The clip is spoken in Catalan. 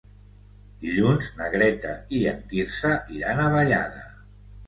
Dilluns na Greta i en Quirze iran a Vallada.